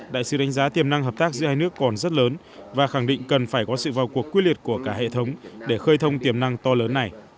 đại sứ đánh giá tiềm năng hợp tác giữa hai nước còn rất lớn và khẳng định cần phải có sự vào cuộc quyết liệt của cả hệ thống để khơi thông tiềm năng to lớn này